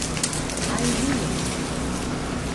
Айвийым.